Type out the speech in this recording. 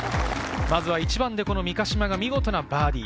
まずは１番で三ヶ島が見事なバーディー。